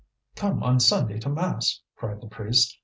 "Come on Sunday to mass," cried the priest.